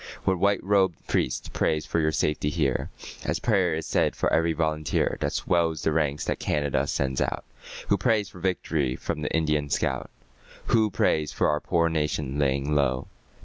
What white robed priest prays for your safety here, As prayer is said for every volunteer That swells the ranks that Canada sends out? Who prays for vict'ry for the Indian scout? Who prays for our poor nation lying low?